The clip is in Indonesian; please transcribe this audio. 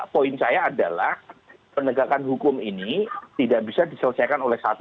poin saya adalah penegakan hukum ini tidak bisa diselesaikan oleh satu